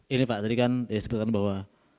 ini pak tadi kan saya sebutkan bahwa